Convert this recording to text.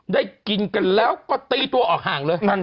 ได้กินกันแล้วก็ตีตัวออกห่างเลย